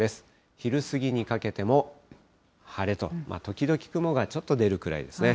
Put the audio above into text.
昼過ぎにかけても晴れと、時々、雲がちょっと出るくらいですね。